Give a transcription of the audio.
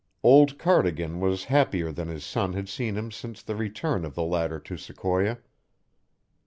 Old Cardigan was happier than his son had seen him since the return of the latter to Sequoia.